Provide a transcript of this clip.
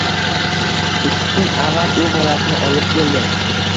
Ikki kun avval u bolasini olib keldi